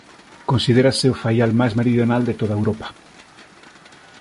Considérase o faial máis meridional de toda Europa.